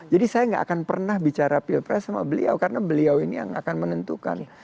jadi saya gak akan pernah bicara pilpres sama beliau karena beliau ini yang akan menentukan